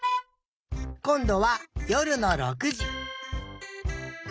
こんどはよるの６じ。